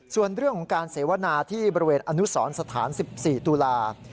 ส่วนเรื่องของการเสวนาที่บริเวณอนุสรสถาน๑๔ตุลา